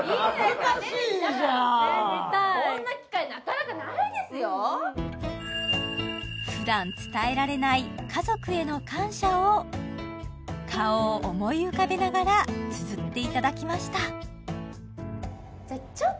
見たいこんな機会なかなかないですよふだん伝えられない家族への感謝を顔を思い浮かべながらつづっていただきました